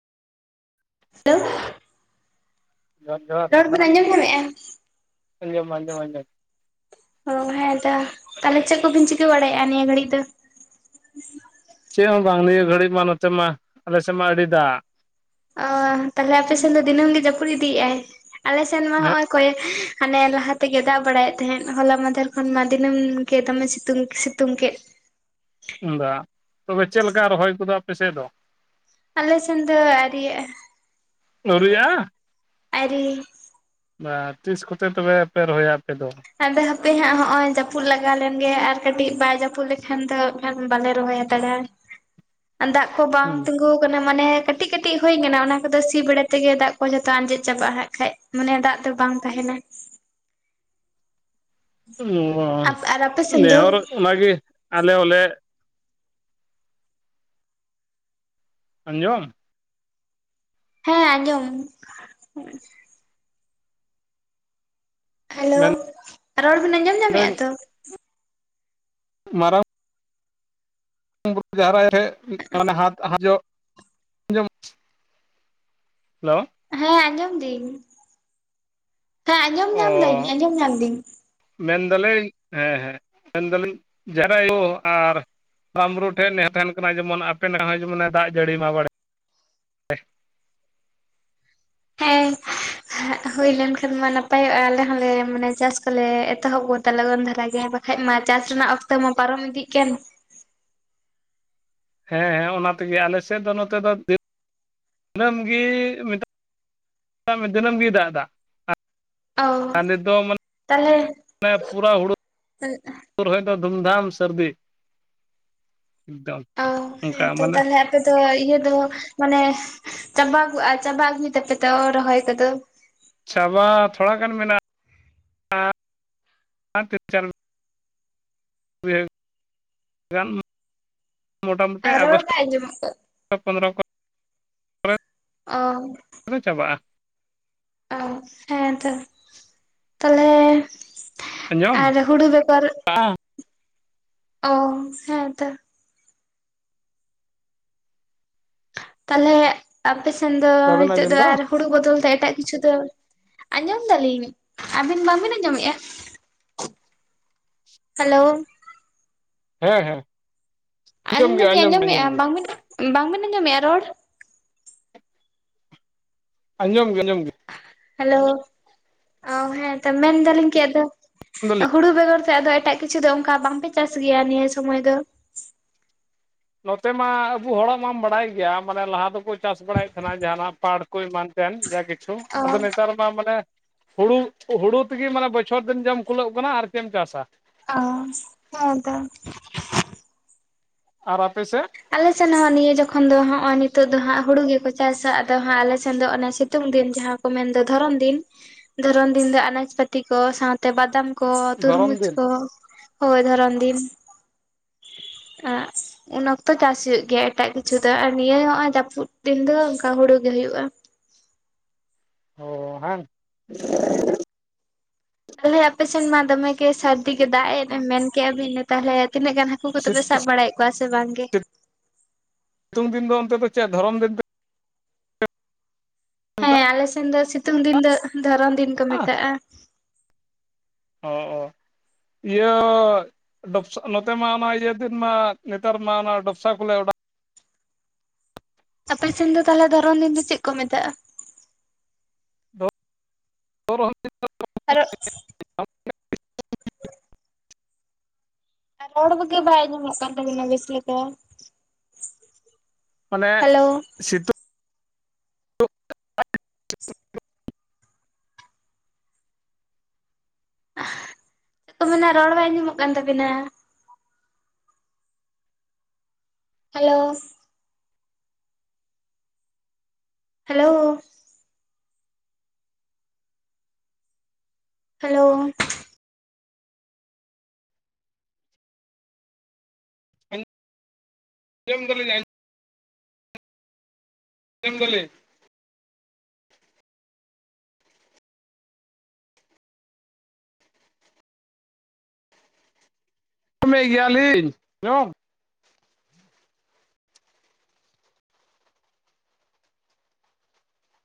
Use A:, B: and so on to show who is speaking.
A: Hello [inaudible]
B: ᱡᱚᱦᱟᱨ ᱡᱚᱦᱟᱨ
A: ᱨᱚᱲ ᱵᱮᱱ ᱟᱸᱡᱚᱢ ᱧᱟᱢᱮᱜᱼᱟ?
B: [inaudible]
A: ᱚ ᱦᱮᱸ ᱛᱚ ᱛᱟᱦᱚᱞᱮ ᱪᱮᱫ ᱠᱚᱵᱤᱱ ᱪᱤᱠᱟᱹ ᱵᱟᱲᱟᱭᱟᱜᱼᱟ ᱱᱤᱭᱟᱹ ᱜᱷᱟᱹᱲᱤᱡ ᱫᱚ?
B: ᱪᱮᱫ ᱦᱚᱸ ᱵᱟᱝ ᱱᱤᱭᱟᱹ ᱜᱷᱟᱹᱲᱤᱡ ᱢᱟ ᱱᱚᱛᱮ ᱢᱟ ᱟᱞᱮᱥᱮᱫ ᱢᱟ ᱟᱹᱰᱤ ᱫᱟᱜ ᱾
A: ᱚ ᱛᱟᱦᱞᱮ ᱟᱯᱮ ᱥᱮᱱ ᱫᱚ ᱫᱤᱱᱟᱹᱢ ᱜᱮ ᱡᱟᱹᱯᱩᱫ ᱤᱫᱤᱭᱮᱫ ᱟᱭ ᱟᱞᱮ ᱥᱮᱱ ᱢᱟ ᱱᱚᱜ ᱚᱭᱼᱼ ᱚᱠᱚᱭ ᱦᱟᱱᱮ ᱞᱟᱦᱟ ᱛᱮᱜᱮ ᱫᱟᱜ ᱵᱟᱲᱟᱭᱮᱫ ᱛᱟᱦᱮᱸᱫ ᱦᱚᱞᱟ ᱢᱟᱦᱫᱷᱮᱨ ᱠᱷᱚᱱ ᱢᱟ ᱫᱤᱱᱹᱢ ᱜᱮ ᱫᱚᱢᱮ ᱥᱤᱛᱩᱝ ᱾ ᱛᱩᱝᱠᱮᱜᱼᱼ
B: ᱫᱟ ᱛᱚᱵᱮ ᱪᱮᱫ ᱞᱮᱠᱟ ᱨᱚᱦᱚᱭ ᱠᱚᱫᱚ ᱟᱯᱮᱥᱮᱫ ᱫᱚ?
A: ᱟᱞᱮ ᱥᱮᱱ ᱫᱚ ᱟᱨᱤᱭᱟᱜᱼᱟ
B: ᱟᱹᱣᱨᱤᱭᱟᱜᱼᱟ
A: ᱟᱨᱤᱼᱼ
B: ᱵᱟ ᱛᱤᱥ ᱠᱚᱛᱮ ᱛᱚᱵᱮᱯᱮ ᱨᱚᱦᱚᱭᱟ ᱟᱯᱮ ᱫᱚ?
A: ᱟᱫᱚ ᱦᱟᱯᱮ ᱦᱟᱸᱜ ᱦᱚᱜ ᱚᱭ ᱡᱟᱹᱯᱩᱫ ᱞᱟᱜᱟᱣ ᱞᱮᱱᱜᱮ ᱟᱨ ᱠᱟᱹᱴᱤᱡ ᱵᱟᱭ ᱡᱟᱹᱯᱩᱫ ᱞᱮᱠᱷᱟᱱ ᱫᱚ, ᱵᱟᱞᱮ ᱨᱚᱦᱚᱭ ᱦᱟᱛᱟᱲᱟ ᱫᱟᱜ ᱠᱚ ᱵᱟᱝ ᱛᱤᱜᱩ, ᱜᱩ ᱟᱠᱟᱱᱟ ᱢᱟᱱᱮ ᱠᱟᱹᱴᱤᱡ ᱠᱟᱹᱴᱤᱡ ᱦᱳᱭ ᱟᱠᱟᱱᱟ ᱚᱱᱟ ᱠᱚᱫᱚ ᱥᱤ ᱵᱮᱲᱟ ᱛᱮᱜᱮ ᱫᱟᱜ ᱠᱚ ᱡᱷᱚᱛᱚ ᱟᱸᱡᱮᱫ ᱪᱟᱵᱟᱜᱼᱟ ᱦᱟᱸᱜ ᱠᱷᱟᱡ᱾ ᱢᱟᱱᱮ ᱫᱟᱜ ᱛᱚ ᱵᱟᱝ ᱛᱟᱦᱮᱱᱟ᱾
B: ᱚᱻ
A: ᱟᱨ ᱟᱯᱮ ᱥᱮᱱ ᱫᱚ
B: ᱱᱮᱦᱚᱨ ᱚᱱᱟᱜᱮ ᱟᱞᱮ ᱦᱚᱸᱞᱮ ᱟᱸᱡᱚᱢ
A: ᱦᱮᱸ ᱟᱸᱡᱚᱢ᱾ ᱦᱮᱞᱳ ᱨᱚᱲ ᱵᱤᱱ ᱟᱸᱡᱚᱢ ᱧᱟᱢᱮᱫᱼᱟ
B: ᱢᱮᱱᱫᱟᱹᱧ
A: ᱛᱚ᱾
B: ᱢᱟᱨᱟᱝ [inaudible] ᱟᱸᱡᱚᱢ ᱦᱮᱞᱳ᱾
A: ᱦᱮᱸ ᱟᱸᱡᱚᱢ ᱫᱤᱧ ᱦᱮᱸ ᱟᱸᱡᱚᱢ
B: ᱚ
A: ᱧᱟᱢ ᱫᱟᱹᱧ ᱟᱸᱡᱚᱢ ᱧᱟᱢ ᱫᱤᱧ᱾
B: ᱢᱮᱱᱫᱟᱞᱤᱧ ᱦᱮᱸ ᱦᱮᱸ ᱢᱮᱱᱫᱟᱞᱤᱧ ᱡᱟᱦᱮᱨ ᱟᱭᱳ ᱟᱨ ᱢᱟᱨᱟᱝ ᱵᱟᱨᱩ ᱴᱷᱮᱡ ᱱᱮᱦᱚᱨ ᱛᱟᱦᱮᱱ ᱠᱟᱱᱟ ᱡᱮᱢᱚᱱ ᱟᱯᱮ ᱱᱟᱠᱷᱟ ᱦᱚᱸ ᱡᱮᱢᱚᱱ ᱫᱟᱜ ᱡᱟᱹᱲᱤᱭ ᱢᱟ ᱵᱟᱲᱮ ᱾
A: ᱦᱮᱸ ᱦᱩᱭ ᱞᱮᱱᱠᱷᱟᱱ ᱢᱟ ᱱᱟᱯᱟᱭᱚᱜᱼᱟ ᱟᱞᱮ ᱦᱚᱸᱞᱮ ᱢᱟᱱᱮ ᱪᱟᱥ ᱠᱚᱞᱮ ᱮᱛᱚᱦᱚᱵ ᱠᱚ ᱞᱚᱜᱚᱱ ᱫᱷᱟᱨᱟ ᱜᱮ᱾ ᱵᱟᱠᱷᱟᱡ ᱢᱟ ᱪᱟᱥ ᱨᱮᱱᱟᱜ ᱚᱠᱛᱚ ᱢᱟ ᱯᱟᱨᱚᱢ ᱤᱫᱤᱜ ᱠᱟᱱ᱾
B: ᱦᱮᱸ ᱦᱮᱸ ᱚᱱᱟ ᱛᱮᱜᱮ ᱟᱞᱮᱥᱮᱫ ᱫᱚ ᱱᱚᱛᱮ ᱫᱚ ᱫᱤᱱᱟᱹᱢ ᱜᱤ ᱢᱮᱛᱟᱜ ᱢᱮ ᱫᱤᱱᱟᱹᱢ ᱜᱤ ᱫᱟᱜ ᱫᱟ
A: ᱳ ᱛᱟᱦᱚᱞᱮ
B: ᱢᱟᱱᱮ ᱯᱩᱨᱟ ᱦᱩᱲᱩ
A: [inaudible]
B: ᱨᱚᱦᱚᱭ ᱫᱚ ᱫᱷᱩᱢᱫᱷᱟᱢ ᱥᱟᱹᱨᱫᱤ᱾ ᱮᱠᱫᱚᱢ
A: ᱚ
B: ᱚᱱᱠᱟ
A: ᱦᱮᱸ ᱛᱚ
B: ᱢᱟᱱᱮ
A: ᱛᱟᱦᱚᱞᱮ ᱟᱯᱮ ᱫᱚ ᱤᱭᱟᱹ ᱫᱚ ᱢᱟᱱᱮ ᱪᱟᱵᱟ ᱪᱟᱵᱟ ᱟᱹᱜᱩᱭ ᱫᱟᱯᱮ ᱛᱚ ᱨᱚᱦᱚᱭ ᱠᱚᱫᱚ᱾
B: ᱪᱟᱵᱟ ᱛᱷᱚᱲᱟ ᱜᱟᱱ ᱢᱮᱱᱟᱜᱼᱟ [unintelligible] [inaudible] ᱢᱳᱴᱟᱢᱩᱴᱤ
A: ᱟᱨ ᱨᱚᱲ
B: ᱟᱜᱚᱥᱴ
A: ᱵᱟᱭ ᱟᱸᱡᱚᱢᱚᱜ ᱠᱟᱱᱟ
B: ᱯᱚᱱᱫᱽᱨᱚ ᱠᱚ [unintelligible]
A: ᱳ
B: ᱪᱟᱵᱟᱜᱼᱟ᱾
A: ᱚ ᱦᱮᱸᱛᱚ ᱛᱟᱦᱚᱞᱮ
B: ᱟᱸᱡᱚᱢ
A: ᱟᱨ
B: [unintelligible]
A: ᱦᱩᱲᱩ ᱵᱮᱜᱚᱨ ᱚ ᱦᱮᱸᱛᱚ ᱛᱟᱦᱚᱞᱮ ᱟᱯᱮᱥᱮᱱ ᱫᱚ
B: ᱵᱟᱵᱮᱱ
A: ᱱᱤᱛᱚᱜ
B: ᱟᱸᱡᱚᱢ
A: ᱫᱚ
B: ᱮᱫᱟ
A: ᱟᱨ ᱦᱩᱲᱩ ᱵᱚᱫᱚᱞ ᱛᱮ ᱮᱴᱟᱜ ᱠᱤᱪᱷᱩ ᱫᱚ ᱟᱸᱡᱚᱢ ᱫᱟᱞᱤᱧ ᱟᱵᱤᱱ ᱵᱟᱵᱤᱱ ᱟᱸᱡᱚᱢᱮᱫᱼᱟ᱾ ᱦᱮᱞᱳ
B: ᱦᱮᱸ ᱦᱮᱸ ᱟᱸᱡᱚᱢ
A: ᱟᱞᱤᱧ
B: ᱜᱮ
A: ᱫᱚᱞᱤᱧ
B: ᱟᱸᱡᱚᱢ ᱜᱮ ᱟᱸᱡᱚᱢ
A: ᱟᱸᱡᱚᱢᱮᱫᱼᱟ
B: ᱜᱮ
A: ᱵᱟᱝ ᱵᱟᱝᱵᱤᱱ ᱟᱸᱡᱚᱢᱮᱫᱼᱟ ᱨᱚᱲ᱾
B: ᱟᱸᱡᱚᱢ ᱜᱮ ᱟᱸᱡᱚᱢ ᱜᱮ
A: ᱦᱮᱞᱳ ᱚ ᱦᱮᱸᱛᱚ ᱢᱮᱱᱫᱟᱞᱤᱧ ᱠᱮᱫ ᱟᱫᱚ
B: [inaudible]
A: ᱦᱩᱲᱩ ᱵᱮᱜᱚᱨ ᱛᱮ ᱟᱫᱚ ᱮᱴᱟᱜ ᱠᱤᱪᱷᱩ ᱫᱚ ᱚᱱᱠᱟ ᱵᱟᱝᱯᱮ ᱪᱟᱥ ᱜᱮᱭᱟ ᱱᱤᱭᱟᱹ ᱥᱚᱢᱚᱭ ᱫᱚ᱾
B: ᱱᱚᱛᱮ ᱢᱟ ᱟᱵᱚ ᱦᱚᱲᱟᱜ ᱢᱟᱢ ᱵᱟᱰᱟᱭ ᱜᱮᱭᱟ ᱢᱟᱱᱮ ᱞᱟᱦᱟ ᱫᱚᱠᱚ ᱪᱟᱥ ᱵᱟᱲᱟᱭᱮᱫ ᱠᱟᱱᱟ ᱡᱟᱦᱟᱱᱟᱜ ᱯᱟᱴ
A: ᱚ
B: [unintelligible] ᱱᱮᱛᱟᱨ ᱢᱟ ᱢᱟᱱᱮ ᱦᱩᱲᱩ ᱦᱩᱲᱩ ᱛᱤᱜᱤ ᱢᱟᱱᱮ ᱵᱚᱪᱷᱚᱨ ᱫᱤᱱ ᱡᱚᱢ ᱠᱩᱞᱟᱹᱜ ᱠᱟᱱᱟ ᱟᱨ ᱪᱮᱫ ᱮᱢ ᱪᱟᱥᱟ᱾
A: ᱚᱻ ᱦᱮᱸ ᱛᱚ
B: ᱟᱨ ᱟᱯᱮ ᱥᱮᱫ
A: ᱟᱞᱮ ᱥᱮᱱ ᱦᱚᱸ ᱱᱤᱭᱟᱹ ᱡᱚᱠᱷᱚᱱ ᱫᱚ ᱦᱚᱸᱜ ᱚᱭ ᱱᱤᱛᱳᱜ ᱫᱚ ᱦᱟᱸᱜ ᱦᱩᱲᱩ ᱜᱮᱠᱚ ᱪᱟᱥᱟ ᱟᱫᱚ ᱦᱟᱸᱜ ᱟᱞᱮᱥᱮᱱ ᱫᱚ ᱚᱱᱮ ᱥᱤᱛᱩᱝ ᱫᱤᱱ ᱡᱟᱦᱟᱸ ᱢᱮᱱ ᱫᱚ ᱫᱷᱚᱨᱚᱱ ᱫᱤᱱ ᱫᱷᱚᱨᱚᱱ ᱫᱤᱱ ᱫᱚ ᱟᱱᱟᱡ ᱯᱟᱹᱛᱤ ᱠᱚ ᱥᱟᱶ ᱛᱮ ᱵᱟᱫᱟᱢ ᱠᱚ
B: ᱫᱷᱚᱨᱚᱢ
A: ᱛᱩᱨᱢᱩᱡᱽ
B: ᱫᱤᱱ
A: ᱠᱚ ᱦᱳᱭ ᱫᱷᱚᱨᱚᱱ ᱫᱤᱱ ᱟᱸ ᱚᱱᱟ ᱛᱚ ᱪᱟᱥ ᱦᱩᱭᱩᱜ ᱜᱮᱭᱟ ᱮᱴᱟᱜ ᱠᱤᱪᱷᱩ ᱫᱚ ᱟᱨ ᱱᱤᱭᱟᱹ ᱱᱚᱜ ᱡᱟᱯᱩᱫ ᱫᱤᱱ ᱫᱚ ᱚᱱᱠᱟ ᱦᱩᱲᱩ ᱜᱮ ᱦᱩᱭᱩᱜᱼᱟ᱾
B: ᱚᱻ ᱦᱟᱝ
A: ᱛᱟᱦᱚᱞᱮ ᱟᱯᱮ ᱥᱮᱱ ᱢᱟ ᱫᱚᱢᱮ ᱜᱮ ᱥᱟᱨᱫᱤ ᱜᱮ ᱫᱟᱜ ᱮᱫ ᱢᱮᱱ ᱠᱮᱜ-ᱟ ᱵᱤᱱ ᱱᱛᱟᱦᱚᱞᱮ ᱛᱤᱱᱟᱹᱜ ᱜᱟᱱ ᱦᱟᱠ ᱩ ᱠᱚᱫᱚ ᱯᱮ ᱥᱟᱵᱽ ᱵᱟᱲᱟᱭᱮᱜ ᱠᱚᱣᱟ ᱥᱮ ᱵᱟᱝ ᱜᱮ
B: ᱥᱤᱛᱩᱝ ᱫᱤᱱ ᱫᱚ ᱚᱱᱛᱮ ᱫᱚ ᱪᱮᱫ ᱫᱷᱚᱨᱚᱢ ᱫᱤᱱ
A: ᱦᱮᱸ
B: ᱢᱮᱛᱟᱜᱼᱟ
A: ᱟᱞᱮ ᱥᱮᱱ ᱫᱚ ᱥᱤᱛᱩᱝ ᱫᱤᱱ ᱫᱚ ᱫᱷᱚᱨᱚᱱ ᱫᱤᱱ ᱠᱚ ᱢᱮᱛᱟᱜᱼᱟ᱾
B: ᱚᱸ ᱚᱸ ᱤᱭᱟᱹ ᱰᱚᱯᱥᱟ ᱱᱚᱛᱮ ᱢᱟ ᱚᱱᱟ ᱤᱭᱟᱹ ᱫᱤᱱ ᱢᱟ ᱱᱮᱛᱟᱨ ᱢᱟ ᱚᱱᱟ ᱰᱚᱯᱥᱟ ᱠᱚᱞᱮ ᱚᱰᱟᱜ
A: ᱟᱯᱮ ᱥᱮᱱ ᱫᱚ ᱛᱟᱦᱚᱞᱮ ᱫᱷᱚᱨᱚᱱ ᱫᱤᱱ ᱫᱚ ᱪᱮᱫ ᱠᱚ ᱢᱮᱛᱟᱜ-ᱟ?
B: [unintelligible]
A: ᱟᱨᱚᱜ
B: [unintelligible]
A: ᱟᱨ ᱨᱚᱲ ᱠᱚᱜᱤ ᱵᱟᱭ ᱟᱸᱡᱚᱢᱚᱜ ᱠᱟᱱ ᱛᱟᱵᱤᱱᱟ ᱵᱮᱥ ᱞᱮᱠᱟ᱾
B: ᱢᱟᱱᱮ
A: ᱦᱮᱞᱳ
B: ᱥᱤᱛᱩᱝ
A: ᱪᱮᱫ ᱠᱚ ᱢᱮᱱᱟ ᱨᱚᱲ ᱵᱟᱭ ᱟᱸᱡᱚᱢᱚᱜ ᱠᱟᱱ ᱛᱟᱵᱮᱱᱟ᱾ ᱦᱟᱞᱳ ᱾ ᱦᱮᱞᱳ ᱾ ᱦᱮᱞᱳ ᱾
B: ᱟᱸᱡ ᱟᱸᱡᱚᱢ ᱫᱟᱹᱞᱤᱧ ᱟᱸᱡᱚᱢ ᱫᱟᱹᱞᱤᱧ ᱾ ᱟᱸᱢᱚᱢᱮ ᱜᱮᱭᱟᱞᱤᱧ [inaudible]